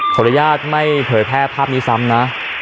ขออนุญาตไม่เผยแพร่ภาพนี้ซ้ำนะ